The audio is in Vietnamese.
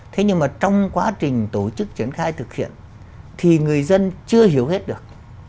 thế nhưng mà trong quá trình tổ chức triển khai thực hiện thì người dân chưa hiểu hết được